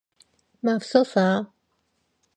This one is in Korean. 맙소사!